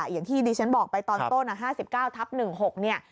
อย่างที่ดิฉันบอกไปตอนต้น๕๙ทับ๑๖เนี่ย